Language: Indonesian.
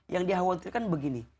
yang dikhawatirkan begini